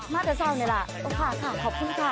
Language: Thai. มาจะซอยไหนล่ะโอ้ค่ะค่ะขอบคุณค่ะ